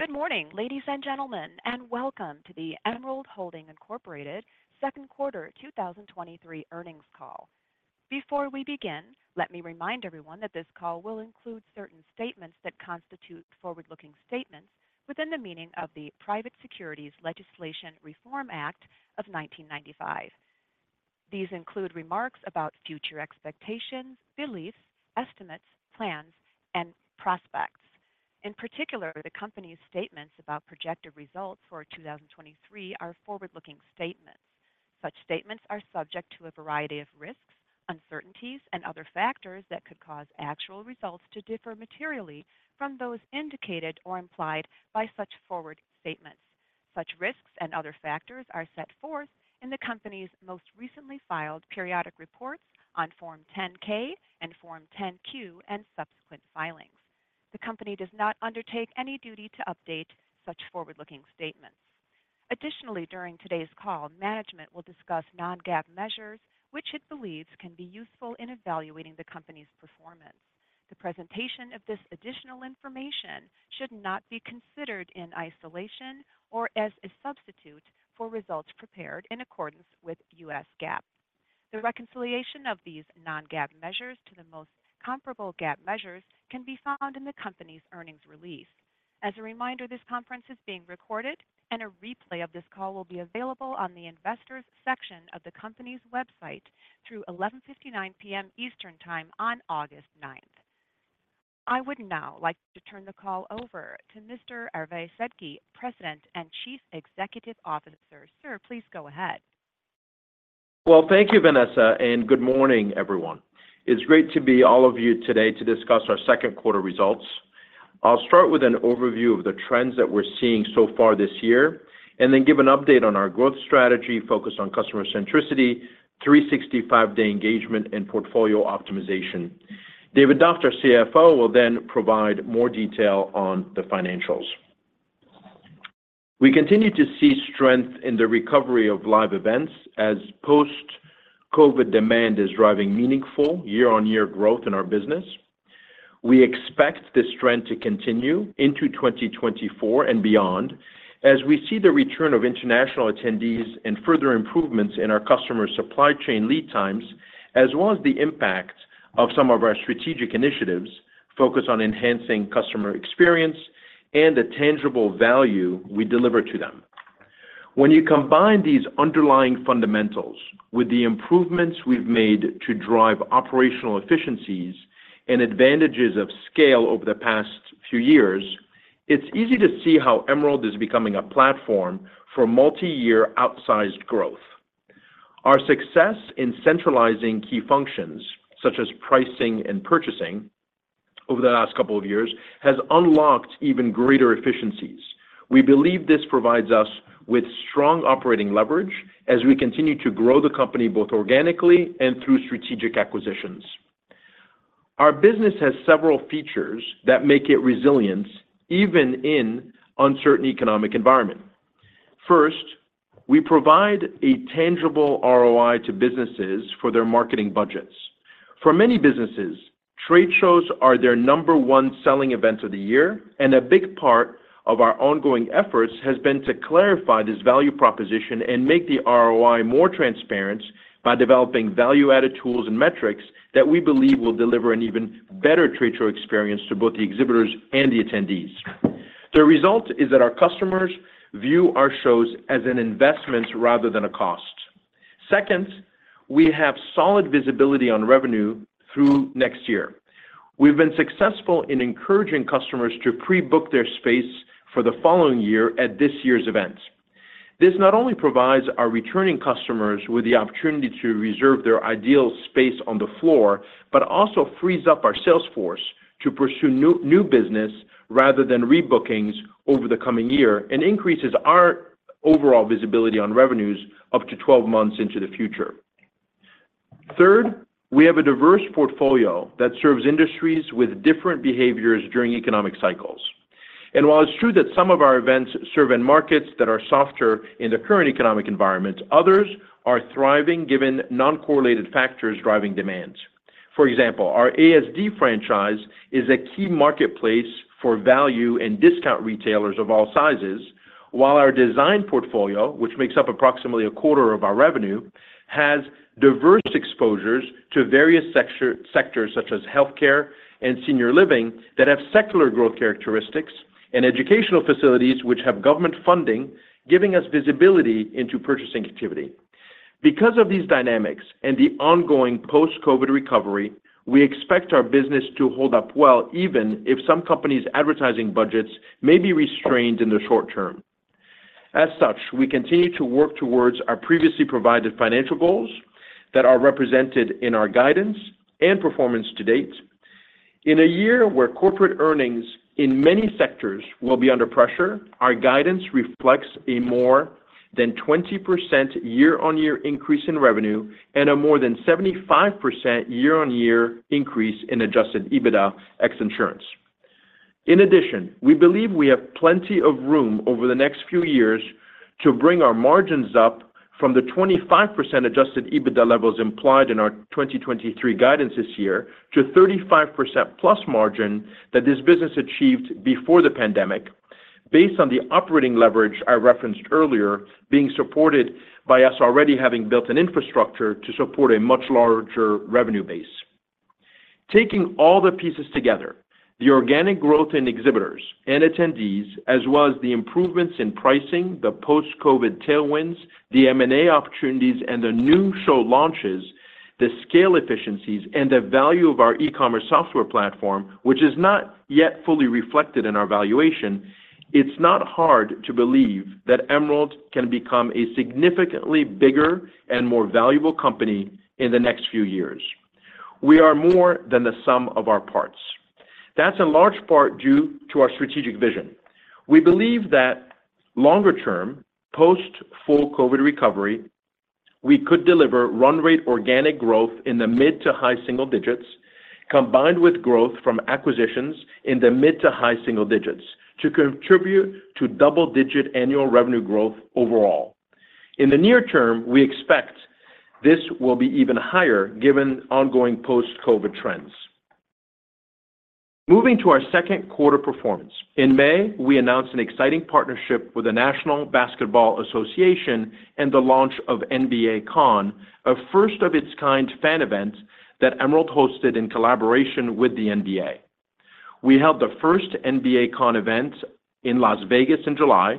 Good morning, ladies and gentlemen, welcome to the Emerald Holding Incorporated Second Quarter 2023 earnings call. Before we begin, let me remind everyone that this call will include certain statements that constitute forward-looking statements within the meaning of the Private Securities Litigation Reform Act of 1995. These include remarks about future expectations, beliefs, estimates, plans, and prospects. In particular, the company's statements about projected results for 2023 are forward-looking statements. Such statements are subject to a variety of risks, uncertainties, and other factors that could cause actual results to differ materially from those indicated or implied by such forward statements. Such risks and other factors are set forth in the company's most recently filed periodic reports on Form 10-K and Form 10-Q and subsequent filings. The company does not undertake any duty to update such forward-looking statements. Additionally, during today's call, management will discuss non-GAAP measures, which it believes can be useful in evaluating the company's performance. The presentation of this additional information should not be considered in isolation or as a substitute for results prepared in accordance with U.S. GAAP. The reconciliation of these non-GAAP measures to the most comparable GAAP measures can be found in the company's earnings release. As a reminder, this conference is being recorded, and a replay of this call will be available on the Investors section of the company's website through 11:59 P.M. Eastern Time on August 9th. I would now like to turn the call over to Mr. Hervé Sedky, President and Chief Executive Officer. Sir, please go ahead. Well, thank you, Vanessa, good morning, everyone. It's great to be all of you today to discuss our second quarter results. I'll start with an overview of the trends that we're seeing so far this year, and then give an update on our growth strategy focused on customer centricity, 365-day engagement, and portfolio optimization. David Doft, CFO, will provide more detail on the financials. We continue to see strength in the recovery of live events as post-COVID demand is driving meaningful year-over-year growth in our business. We expect this trend to continue into 2024 and beyond as we see the return of international attendees and further improvements in our customer supply chain lead times, as well as the impact of some of our strategic initiatives focused on enhancing customer experience and the tangible value we deliver to them. When you combine these underlying fundamentals with the improvements we've made to drive operational efficiencies and advantages of scale over the past few years, it's easy to see how Emerald is becoming a platform for multi-year outsized growth. Our success in centralizing key functions, such as pricing and purchasing over the last two years, has unlocked even greater efficiencies. We believe this provides us with strong operating leverage as we continue to grow the company both organically and through strategic acquisitions. Our business has several features that make it resilient, even in uncertain economic environment. First, we provide a tangible ROI to businesses for their marketing budgets. For many businesses, trade shows are their number one selling event of the year. A big part of our ongoing efforts has been to clarify this value proposition and make the ROI more transparent by developing value-added tools and metrics that we believe will deliver an even better trade show experience to both the exhibitors and the attendees. The result is that our customers view our shows as an investment rather than a cost. Second, we have solid visibility on revenue through next year. We've been successful in encouraging customers to pre-book their space for the following year at this year's event. This not only provides our returning customers with the opportunity to reserve their ideal space on the floor, but also frees up our sales force to pursue new, new business rather than rebookings over the coming year and increases our overall visibility on revenues up to 12 months into the future. Third, we have a diverse portfolio that serves industries with different behaviors during economic cycles. While it's true that some of our events serve in markets that are softer in the current economic environment, others are thriving given non-correlated factors driving demands. For example, our ASD franchise is a key marketplace for value and discount retailers of all sizes, while our design portfolio, which makes up approximately 25% of our revenue, has diverse exposures to various sectors such as Healthcare and Senior Living, that have secular growth characteristics, and educational facilities which have government funding, giving us visibility into purchasing activity. Because of these dynamics and the ongoing post-COVID recovery, we expect our business to hold up well, even if some companies' advertising budgets may be restrained in the short term. As such, we continue to work towards our previously provided financial goals that are represented in our guidance and performance to date. In a year where corporate earnings in many sectors will be under pressure, our guidance reflects a more than 20% year-on-year increase in revenue and a more than 75% year-on-year increase in adjusted EBITDA ex-insurance. In addition, we believe we have plenty of room over the next few years to bring our margins up from the 25% adjusted EBITDA levels implied in our 2023 guidance this year to 35%+ margin that this business achieved before the pandemic based on the operating leverage I referenced earlier, being supported by us already having built an infrastructure to support a much larger revenue base. Taking all the pieces together, the organic growth in exhibitors and attendees, as well as the improvements in pricing, the post-COVID tailwinds, the M&A opportunities, and the new show launches, the scale efficiencies, and the value of our e-commerce software platform, which is not yet fully reflected in our valuation, it's not hard to believe that Emerald can become a significantly bigger and more valuable company in the next few years. We are more than the sum of our parts. That's in large part due to our strategic vision. We believe that longer-term, post-full COVID recovery, we could deliver run rate organic growth in the mid to high single digits, combined with growth from acquisitions in the mid to high single digits, to contribute to double-digit annual revenue growth overall. In the near term, we expect this will be even higher given ongoing post-COVID trends. Moving to our second quarter performance. In May, we announced an exciting partnership with the National Basketball Association and the launch of NBA Con, a first-of-its-kind fan event that Emerald hosted in collaboration with the NBA. We held the first NBA Con event in Las Vegas in July,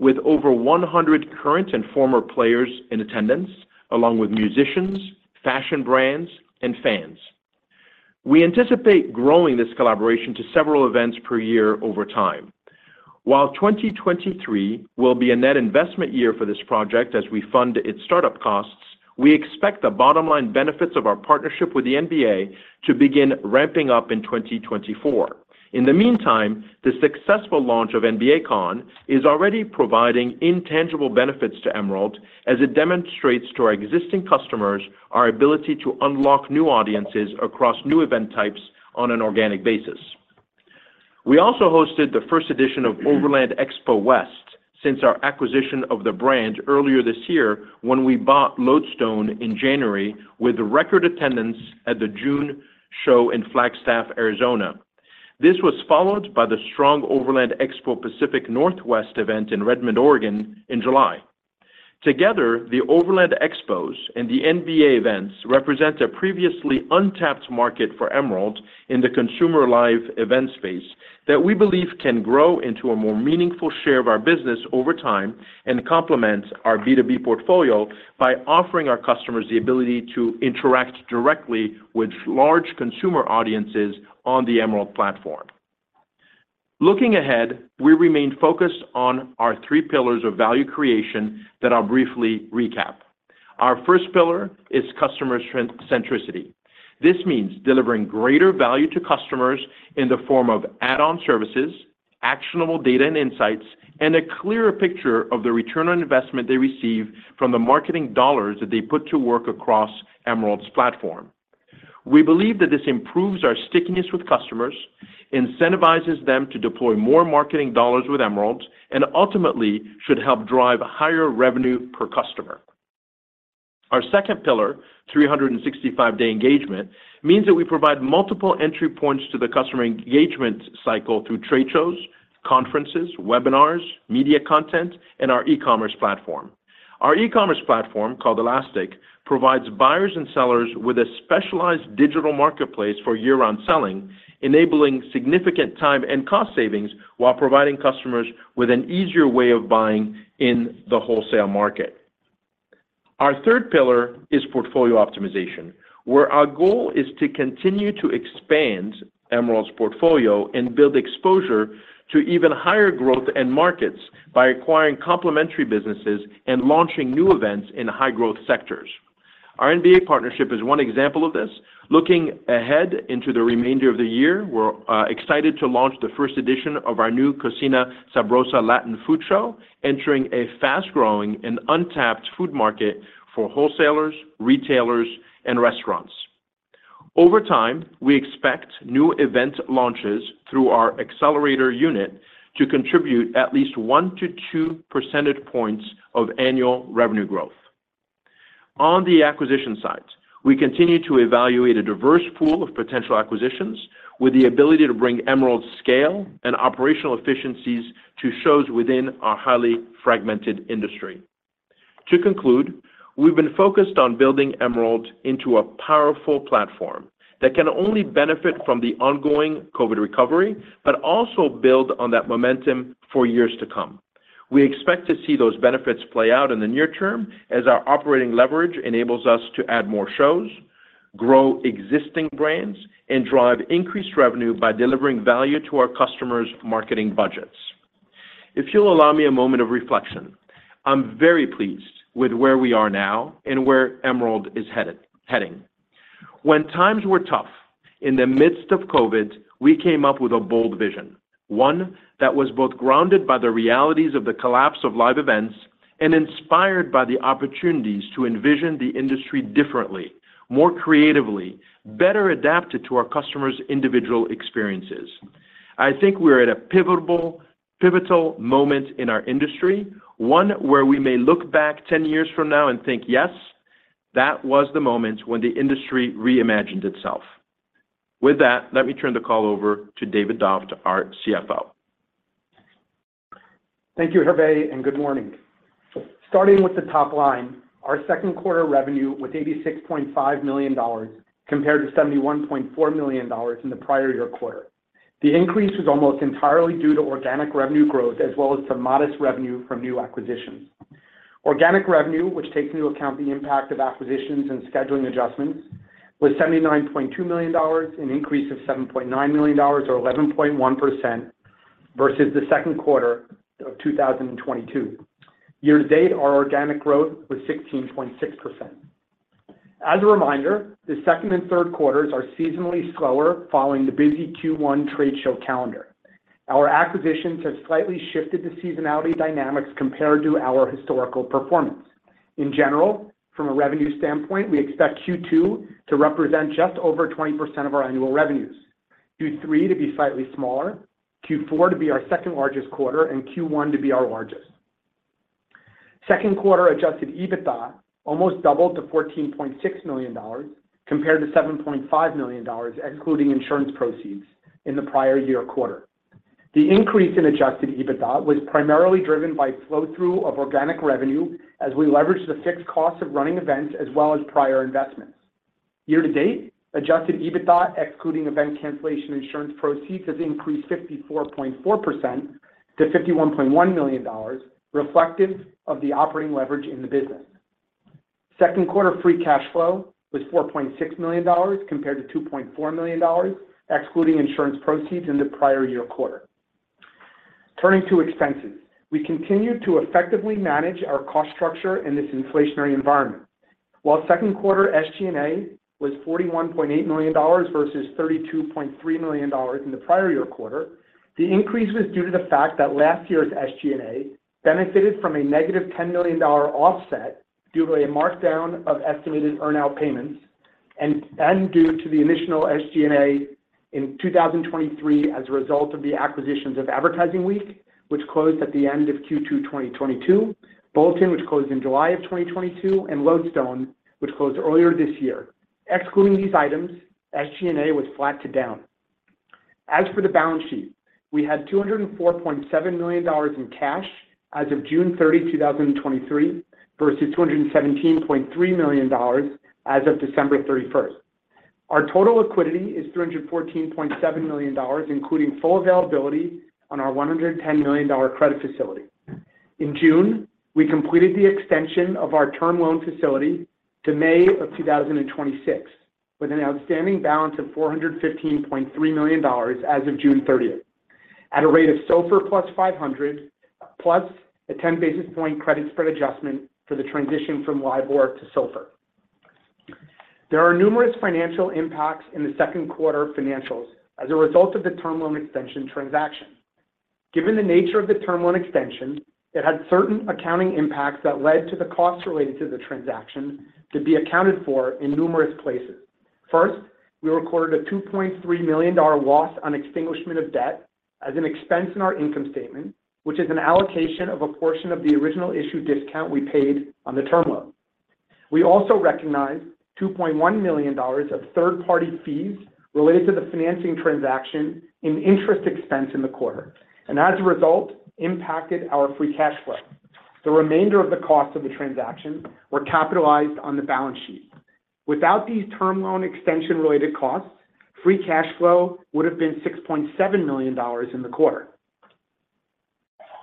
with over 100 current and former players in attendance, along with musicians, fashion brands, and fans. We anticipate growing this collaboration to several events per year over time. While 2023 will be a net investment year for this project as we fund its startup costs, we expect the bottom line benefits of our partnership with the NBA to begin ramping up in 2024. In the meantime, the successful launch of NBA Con is already providing intangible benefits to Emerald as it demonstrates to our existing customers our ability to unlock new audiences across new event types on an organic basis. We also hosted the first edition of Overland Expo West since our acquisition of the brand earlier this year when we bought Lodestone in January, with a record attendance at the June show in Flagstaff, Arizona. This was followed by the strong Overland Expo Pacific Northwest event in Redmond, Oregon, in July. Together, the Overland Expos and the NBA events represent a previously untapped market for Emerald in the consumer live event space that we believe can grow into a more meaningful share of our business over time and complement our B2B portfolio by offering our customers the ability to interact directly with large consumer audiences on the Emerald platform. Looking ahead, we remain focused on our three pillars of value creation that I'll briefly recap. Our first pillar is customer centricity. This means delivering greater value to customers in the form of add-on services, actionable data and insights, and a clearer picture of the return on investment they receive from the marketing dollars that they put to work across Emerald's platform. We believe that this improves our stickiness with customers, incentivizes them to deploy more marketing dollars with Emerald, and ultimately should help drive higher revenue per customer. Our second pillar, 365-day engagement, means that we provide multiple entry points to the customer engagement cycle through trade shows, conferences, webinars, media content, and our e-commerce platform. Our E-commerce Platform, called Elastic, provides buyers and sellers with a specialized digital marketplace for year-round selling, enabling significant time and cost savings while providing customers with an easier way of buying in the wholesale market. Our third pillar is portfolio optimization, where our goal is to continue to expand Emerald's portfolio and build exposure to even higher growth end markets by acquiring complementary businesses and launching new events in high-growth sectors. Our NBA partnership is one example of this. Looking ahead into the remainder of the year, we're excited to launch the first edition of our new Cocina Sabrosa Latin Food Show, entering a fast-growing and untapped food market for wholesalers, retailers, and restaurants. Over time, we expect new event launches through our accelerator unit to contribute at least 1-2 percentage points of annual revenue growth. On the acquisition side, we continue to evaluate a diverse pool of potential acquisitions with the ability to bring Emerald's scale and operational efficiencies to shows within our highly fragmented industry. To conclude, we've been focused on building Emerald into a powerful platform that can only benefit from the ongoing COVID recovery, but also build on that momentum for years to come. We expect to see those benefits play out in the near term as our operating leverage enables us to add more shows, grow existing brands, and drive increased revenue by delivering value to our customers' marketing budgets. If you'll allow me a moment of reflection, I'm very pleased with where we are now and where Emerald is heading. When times were tough, in the midst of COVID, we came up with a bold vision, one that was both grounded by the realities of the collapse of live events and inspired by the opportunities to envision the industry differently, more creatively, better adapted to our customers' individual experiences. I think we're at a pivotal, pivotal moment in our industry, one where we may look back ten years from now and think, "Yes, that was the moment when the industry reimagined itself." With that, let me turn the call over to David Doft, our CFO. Thank you, Hervé, and good morning. Starting with the top line, our second quarter revenue was $86.5 million, compared to $71.4 million in the prior year quarter. The increase was almost entirely due to organic revenue growth, as well as some modest revenue from new acquisitions. Organic revenue, which takes into account the impact of acquisitions and scheduling adjustments, was $79.2 million, an increase of $7.9 million or 11.1% versus the second quarter of 2022. Year to date, our organic growth was 16.6%. As a reminder, the second and third quarters are seasonally slower following the busy Q1 trade show calendar. Our acquisitions have slightly shifted the seasonality dynamics compared to our historical performance. In general, from a revenue standpoint, we expect Q2 to represent just over 20% of our annual revenues, Q3 to be slightly smaller, Q4 to be our second-largest quarter, and Q1 to be our largest. Second quarter adjusted EBITDA almost doubled to $14.6 million, compared to $7.5 million, excluding insurance proceeds in the prior year quarter. The increase in adjusted EBITDA was primarily driven by flow-through of organic revenue as we leveraged the fixed costs of running events, as well as prior investments. Year to date, adjusted EBITDA, excluding event cancellation insurance proceeds, has increased 54.4% to $51.1 million, reflective of the operating leverage in the business. Second quarter free cash flow was $4.6 million, compared to $2.4 million, excluding insurance proceeds in the prior year quarter. Turning to expenses, we continued to effectively manage our cost structure in this inflationary environment. While second quarter SG&A was $41.8 million versus $32.3 million in the prior year quarter, the increase was due to the fact that last year's SG&A benefited from a -$10 million offset due to a markdown of estimated earnout payments and due to the initial SG&A in 2023 as a result of the acquisitions of Advertising Week, which closed at the end of Q2 2022, Bulletin, which closed in July of 2022, and Lodestone, which closed earlier this year. Excluding these items, SG&A was flat to down. As for the balance sheet, we had $204.7 million in cash as of June 30, 2023, versus $217.3 million as of December 31. Our total liquidity is $314.7 million, including full availability on our $110 million credit facility. In June, we completed the extension of our term loan facility to May of 2026, with an outstanding balance of $415.3 million as of June 30, at a rate of SOFR plus 50, plus a 10 basis point credit spread adjustment for the transition from LIBOR to SOFR. There are numerous financial impacts in the second quarter financials as a result of the term loan extension transaction. Given the nature of the term loan extension, it had certain accounting impacts that led to the costs related to the transaction to be accounted for in numerous places. First, we recorded a $2.3 million loss on extinguishment of debt as an expense in our income statement, which is an allocation of a portion of the original issue discount we paid on the term loan. We also recognized $2.1 million of third-party fees related to the financing transaction in interest expense in the quarter, and as a result, impacted our free cash flow. The remainder of the cost of the transaction were capitalized on the balance sheet. Without these term loan extension-related costs, free cash flow would have been $6.7 million in the quarter.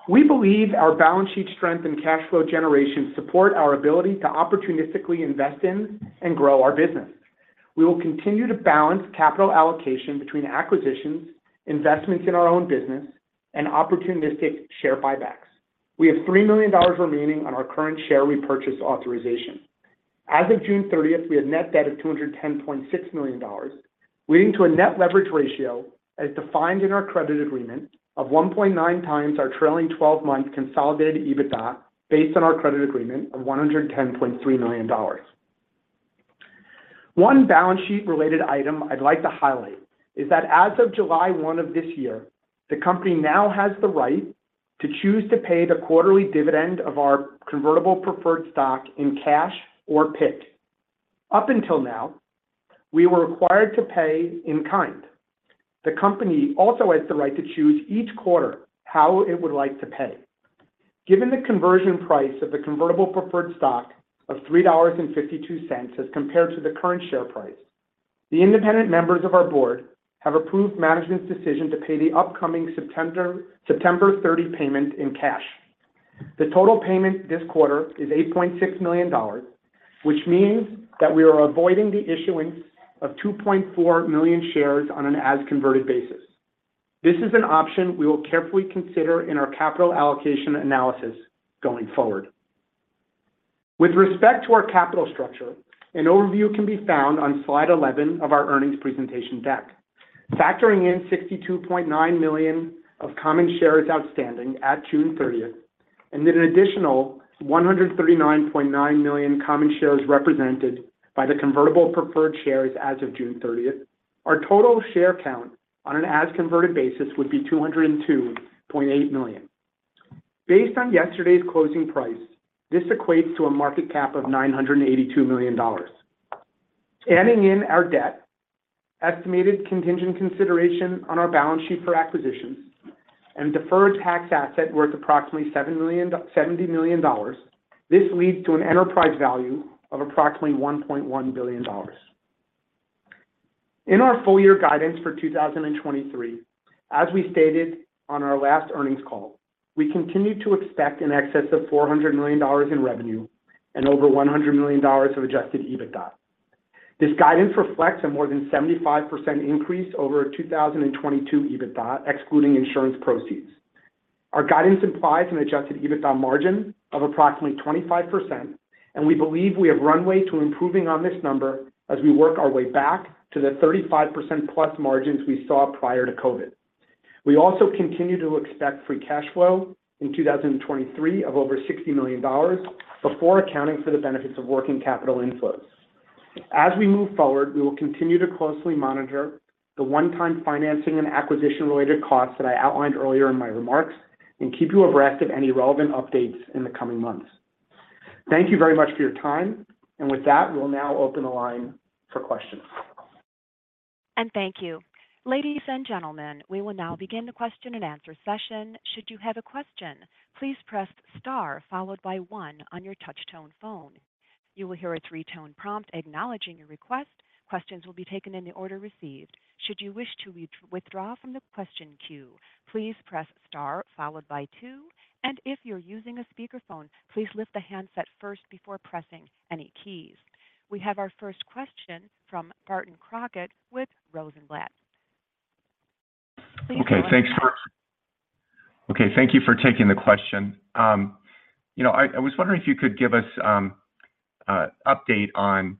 We believe our balance sheet strength and cash flow generation support our ability to opportunistically invest in and grow our business. We will continue to balance capital allocation between acquisitions, investments in our own business, and opportunistic share buybacks. We have $3 million remaining on our current share repurchase authorization. As of June 30th, we had net debt of $210.6 million, leading to a net leverage ratio as defined in our credit agreement of 1.9x our trailing 12-month consolidated EBITDA based on our credit agreement of $110.3 million. One balance sheet related item I'd like to highlight is that as of July 1 of this year, the company now has the right to choose to pay the quarterly dividend of our convertible preferred stock in cash or PIK. Up until now, we were required to pay in kind. The company also has the right to choose each quarter how it would like to pay. Given the conversion price of the convertible preferred stock of $3.52 as compared to the current share price, the independent members of our board have approved management's decision to pay the upcoming September 30 payment in cash. The total payment this quarter is $8.6 million, which means that we are avoiding the issuing of 2.4 million shares on an as-converted basis. This is an option we will carefully consider in our capital allocation analysis going forward. With respect to our capital structure, an overview can be found on slide 11 of our earnings presentation deck. Factoring in 62.9 million of common shares outstanding at June 30-... Then an additional 139.9 million common shares represented by the convertible preferred shares as of June 30th, our total share count on an as converted basis would be 202.8 million. Based on yesterday's closing price, this equates to a market cap of $982 million. Adding in our debt, estimated contingent consideration on our balance sheet for acquisitions, and deferred tax asset worth approximately $70 million, this leads to an enterprise value of approximately $1.1 billion. In our full year guidance for 2023, as we stated on our last earnings call, we continued to expect in excess of $400 million in revenue and over $100 million of adjusted EBITDA. This guidance reflects a more than 75% increase over 2022 EBITDA, excluding insurance proceeds. Our guidance implies an adjusted EBITDA margin of approximately 25%, and we believe we have runway to improving on this number as we work our way back to the 35%+ margins we saw prior to COVID. We also continue to expect free cash flow in 2023 of over $60 million, before accounting for the benefits of working capital inflows. As we move forward, we will continue to closely monitor the one-time financing and acquisition-related costs that I outlined earlier in my remarks and keep you abreast of any relevant updates in the coming months. Thank you very much for your time, and with that, we'll now open the line for questions. Thank you. Ladies and gentlemen, we will now begin the question and answer session. Should you have a question, please press star followed by one on your touch tone phone. You will hear a three-tone prompt acknowledging your request. Questions will be taken in the order received. Should you wish to with-withdraw from the question queue, please press star followed by two, and if you're using a speakerphone, please lift the handset first before pressing any keys. We have our first question from Barton Crockett with Rosenblatt. Okay, thank you for taking the question. You know, I, I was wondering if you could give us update on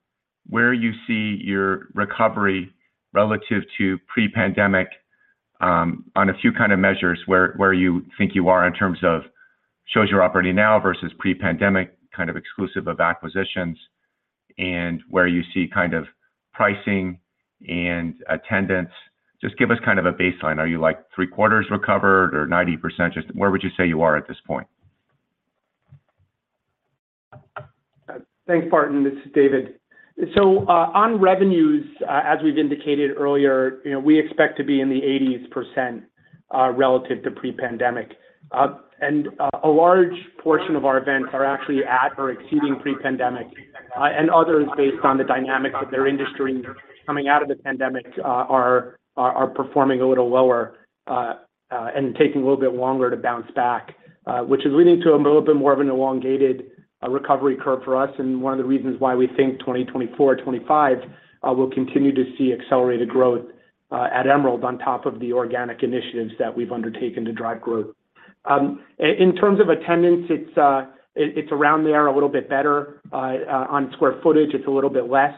where you see your recovery relative to pre-pandemic on a few kind of measures where, where you think you are in terms of shows you're operating now versus pre-pandemic, kind of exclusive of acquisitions, and where you see kind of pricing and attendance. Just give us kind of a baseline. Are you, like, three-quarters recovered or 90%? Just where would you say you are at this point? Thanks, Barton. This is David. On revenues, as we've indicated earlier, you know, we expect to be in the 80%, relative to pre-pandemic. A large portion of our events are actually at or exceeding pre-pandemic, and others, based on the dynamics of their industry coming out of the pandemic, are performing a little lower, and taking a little bit longer to bounce back, which is leading to a little bit more of an elongated recovery curve for us. One of the reasons why we think 2024, 2025 will continue to see accelerated growth at Emerald on top of the organic initiatives that we've undertaken to drive growth. In terms of attendance, it's around there, a little bit better. On square footage, it's a little bit less,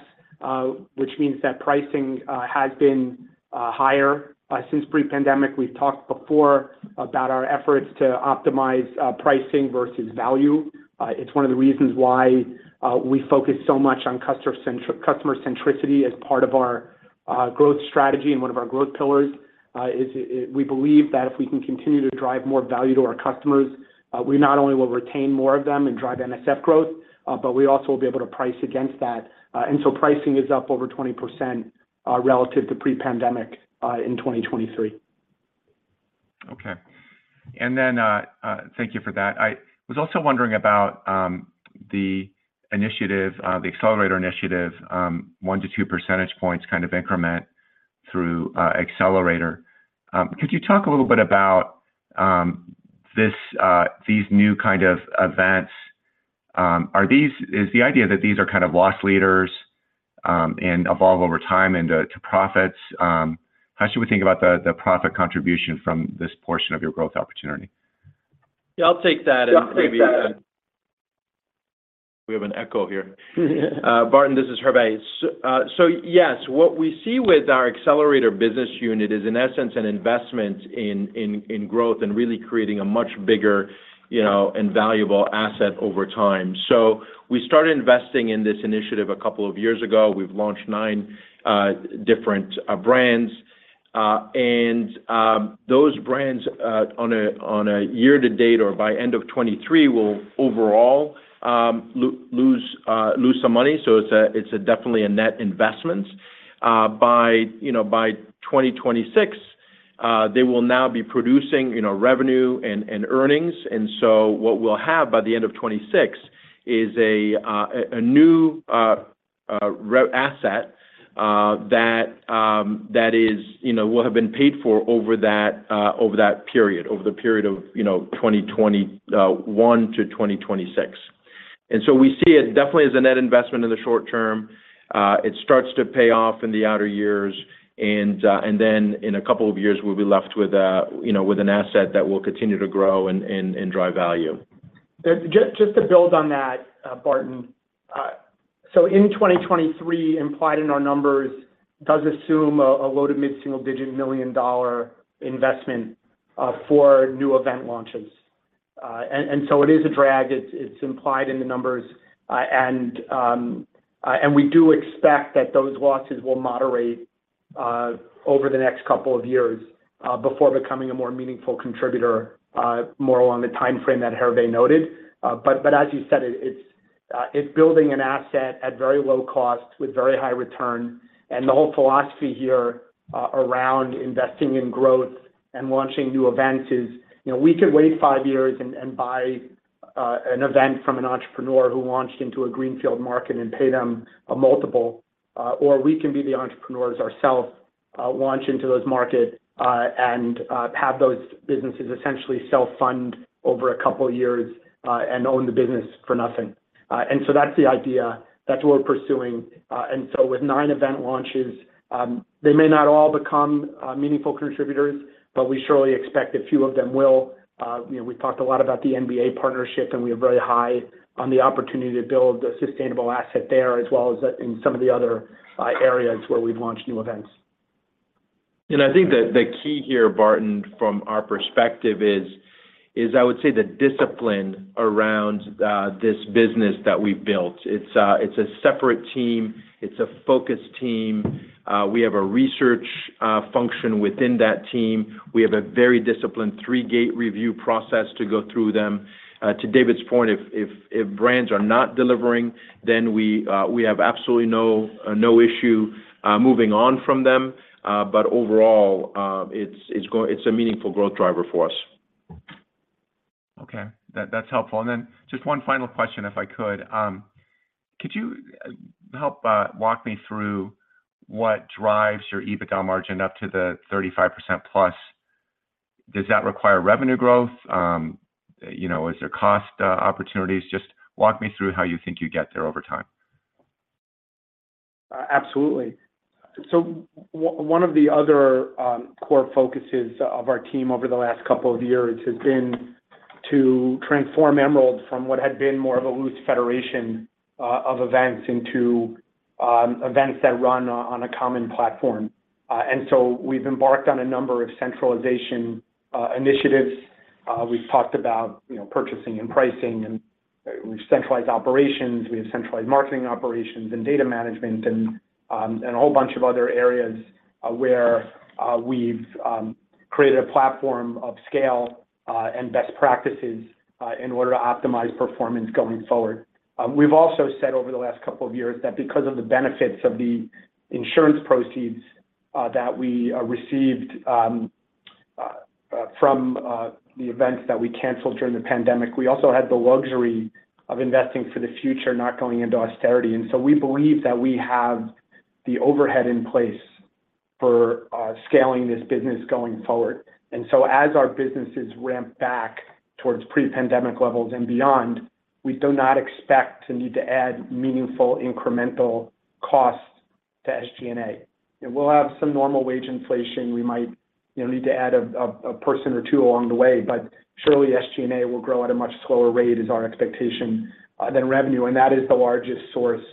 which means that pricing has been higher. Since pre-pandemic, we've talked before about our efforts to optimize pricing versus value. It's one of the reasons why we focus so much on customer centricity as part of our growth strategy. One of our growth pillars is, is we believe that if we can continue to drive more value to our customers, we not only will retain more of them and drive NSF growth, but we also will be able to price against that. Pricing is up over 20% relative to pre-pandemic in 2023. Okay. Then, thank you for that. I was also wondering about the initiative, the accelerator initiative, 1-2 percentage points kind of increment through accelerator. Could you talk a little bit about this these new kind of events? Are these is the idea that these are kind of loss leaders and evolve over time into, to profits? How should we think about the profit contribution from this portion of your growth opportunity? Yeah, I'll take that and maybe- Yeah, I'll take that. We have an echo here. Barton, this is Hervé. Yes, what we see with our accelerator business unit is, in essence, an investment in, in, in growth and really creating a much bigger, you know, and valuable asset over time. We started investing in this initiative a couple of years ago. We've launched nine different brands, and those brands, on a year to date or by end of 2023, will overall lose some money. It's definitely a net investment. By, you know, by 2026, they will now be producing, you know, revenue and earnings. What we'll have by the end of 2026 is a new asset that is, you know, will have been paid for over that period. Over the period of, you know, 2021-2026. So we see it definitely as a net investment in the short term. It starts to pay off in the outer years, then in a couple of years, we'll be left with a, you know, with an asset that will continue to grow and, and, and drive value. Just, just to build on that, Barton. In 2023, implied in our numbers, does assume a low to mid-single digit million dollar investment for new event launches. It is a drag, it's implied in the numbers. We do expect that those losses will moderate over the next couple of years before becoming a more meaningful contributor, more along the timeframe that Hervé noted. As you said, it's building an asset at very low cost with very high return. The whole philosophy here, around investing in growth and launching new events is, you know, we could wait five years and buy an event from an entrepreneur who launched into a greenfield market and pay them a multiple, or we can be the entrepreneurs ourselves, launch into those markets and have those businesses essentially self-fund over two years and own the business for nothing. That's the idea. That's what we're pursuing. With nine event launches, they may not all become meaningful contributors, but we surely expect a few of them will. You know, we've talked a lot about the NBA partnership, and we are very high on the opportunity to build a sustainable asset there, as well as, in some of the other, areas where we've launched new events. I think the, the key here, Barton, from our perspective is, is I would say the discipline around this business that we've built. It's a separate team. It's a focused team. We have a research function within that team. We have a very disciplined three-gate review process to go through them. To David's point, if, if, if brands are not delivering, then we have absolutely no no issue moving on from them. Overall, it's, it's a meaningful growth driver for us. Okay. That, that's helpful. Then just one final question, if I could. Could you help walk me through what drives your EBITDA margin up to the 35%+? Does that require revenue growth? you know, is there cost opportunities? Just walk me through how you think you get there over time. Absolutely. One of the other core focuses of our team over the last couple of years has been to transform Emerald from what had been more of a loose federation of events into events that run on a common platform. We've embarked on a number of centralization initiatives. We've talked about, you know, purchasing and pricing, and we've centralized operations, we have centralized marketing operations and data management and a whole bunch of other areas where we've created a platform of scale and best practices in order to optimize performance going forward. We've also said over the last couple of years that because of the benefits of the insurance proceeds that we received from the events that we canceled during the pandemic, we also had the luxury of investing for the future, not going into austerity. We believe that we have the overhead in place for scaling this business going forward. As our businesses ramp back towards pre-pandemic levels and beyond, we do not expect to need to add meaningful incremental costs to SG&A. We'll have some normal wage inflation. We might, you know, need to add a person or two along the way, but surely, SG&A will grow at a much slower rate, is our expectation than revenue. That is the largest source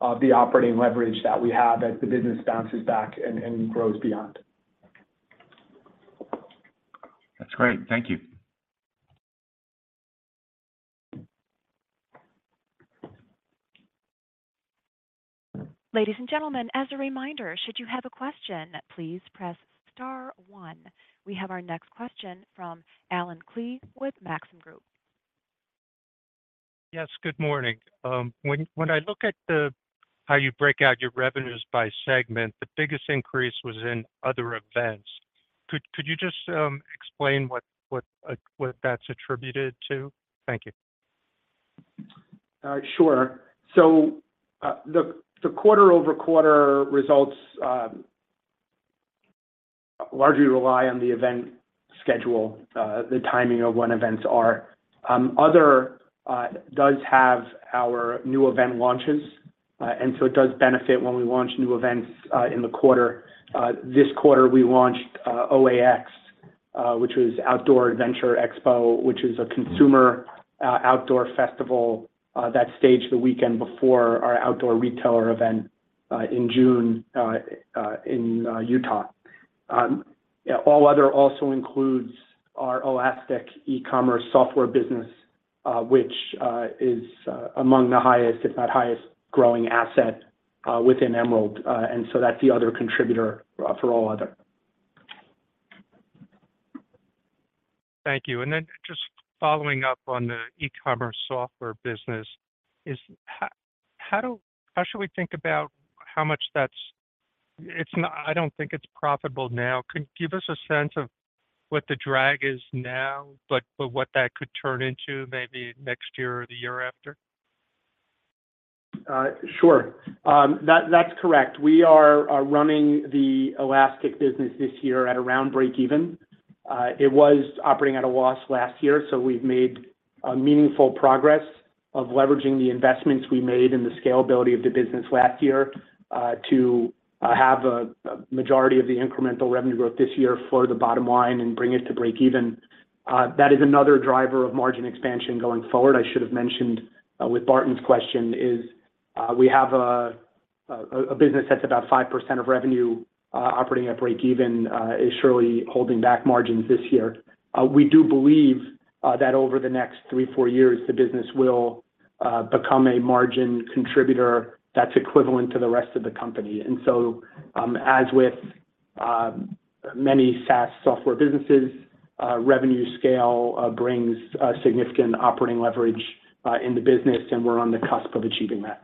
of the operating leverage that we have as the business bounces back and, and grows beyond. That's great. Thank you. Ladies and gentlemen, as a reminder, should you have a question, please press star one. We have our next question from Allen Klee with Maxim Group. Yes, good morning. When I look at how you break out your revenues by segment, the biggest increase was in other events. Could you just explain what that's attributed to? Thank you. Sure. The quarter-over-quarter results largely rely on the event schedule, the timing of when events are. Other does have our new event launches, and so it does benefit when we launch new events in the quarter. This quarter, we launched OAX, which was Outdoor Adventure Expo, which is a consumer outdoor festival that staged the weekend before our Outdoor Retailer event in June in Utah. Yeah, all other also includes our Elastic e-commerce software business, which is among the highest, if not highest growing asset within Emerald. And so that's the other contributor for all other. Thank you. Just following up on the e-commerce software business, how should we think about how much that's... I don't think it's profitable now. Could you give us a sense of what the drag is now, but what that could turn into maybe next year or the year after? Sure. That, that's correct. We are, are running the Elastic business this year at around breakeven. It was operating at a loss last year, so we've made meaningful progress of leveraging the investments we made in the scalability of the business last year, to have a, a majority of the incremental revenue growth this year flow to the bottom line and bring it to breakeven. That is another driver of margin expansion going forward. I should have mentioned, with Barton's question, is, we have a business that's about 5% of revenue, operating at breakeven, is surely holding back margins this year. We do believe that over the next three, four years, the business will become a margin contributor that's equivalent to the rest of the company. As with many SaaS software businesses, revenue scale brings significant operating leverage in the business, and we're on the cusp of achieving that.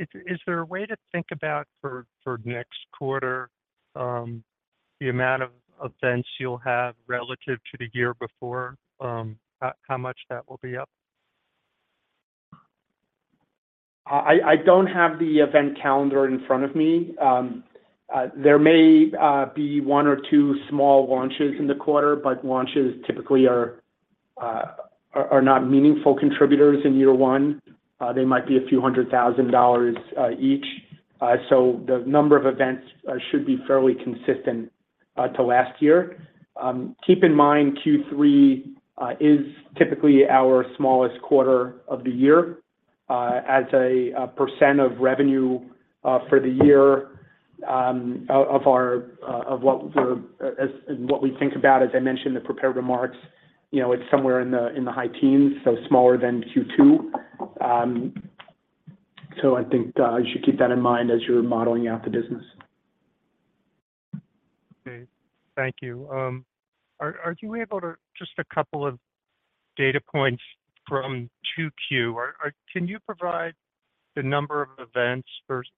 Is there a way to think about for, for next quarter, the amount of events you'll have relative to the year before, how, how much that will be up? I, I don't have the event calendar in front of me. There may be one or two small launches in the quarter, but launches typically are not meaningful contributors in year one. Their might be $200,000 dollars each. The number of events should be fairly consistent to last year. Keep in mind, Q3 is typically our smallest quarter of the year. As a percent of revenue for the year, of our, of what we're, what we think about, as I mentioned in the prepared remarks, you know, it's somewhere in the high teens, so smaller than Q2. I think you should keep that in mind as you're modeling out the business. Okay. Thank you. Are you able to, just a couple of data points from Q2? Can you provide the number of events versus...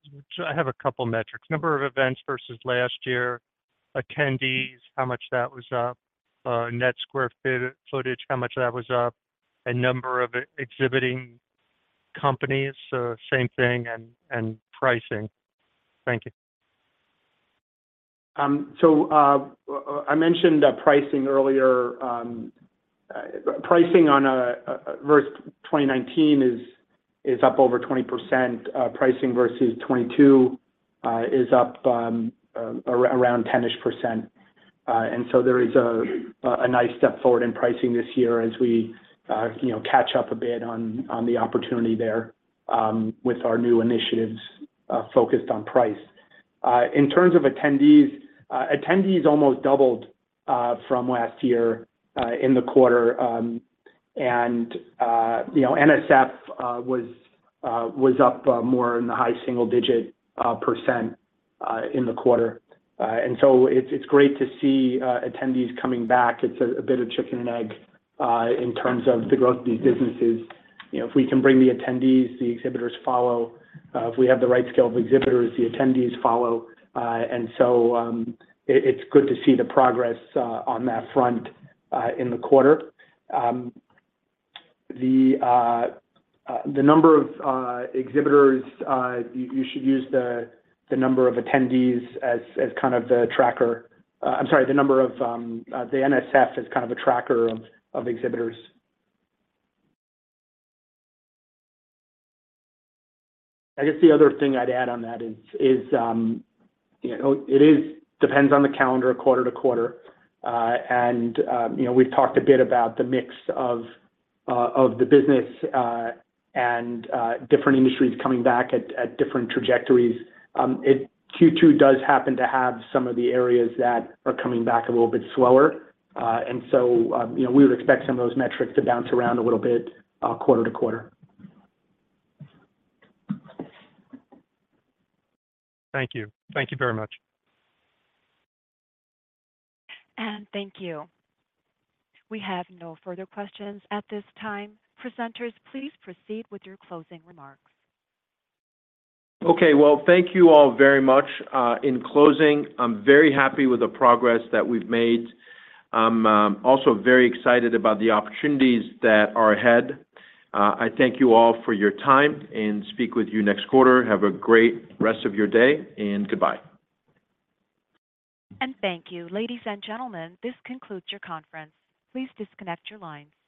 I have a couple metrics: number of events versus last year, attendees, how much that was up, net square footage, how much that was up, and number of exhibiting companies, same thing, and pricing. Thank you. I mentioned pricing earlier. Pricing on versus 2019 is up over 20%. Pricing versus 2022 is up around 10%-ish. There is a nice step forward in pricing this year as we, you know, catch up a bit on the opportunity there, with our new initiatives focused on price. In terms of attendees, attendees almost doubled from last year in the quarter. You know, NSF was up more in the high single-digit percent in the quarter. It's great to see attendees coming back. It's a bit of chicken and egg in terms of the growth of these businesses. You know, if we can bring the attendees, the exhibitors follow. If we have the right scale of exhibitors, the attendees follow. And so, it's good to see the progress on that front in the quarter. The number of exhibitors, you should use the number of attendees as kind of the tracker. I'm sorry, the number of the NSF as kind of a tracker of exhibitors. I guess the other thing I'd add on that is, you know, it depends on the calendar quarter to quarter. You know, we've talked a bit about the mix of the business, and different industries coming back at different trajectories. It... Q2 does happen to have some of the areas that are coming back a little bit slower. So, you know, we would expect some of those metrics to bounce around a little bit, quarter to quarter. Thank you. Thank you very much. Thank you. We have no further questions at this time. Presenters, please proceed with your closing remarks. Okay. Well, thank you all very much. In closing, I'm very happy with the progress that we've made. I'm also very excited about the opportunities that are ahead. I thank you all for your time, and speak with you next quarter. Have a great rest of your day, and goodbye. Thank you. Ladies and gentlemen, this concludes your conference. Please disconnect your lines.